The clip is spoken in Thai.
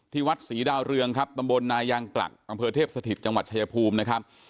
วัดศรีดาวเรืองครับตำบลนายางกลักอำเภอเทพสถิตจังหวัดชายภูมินะครับ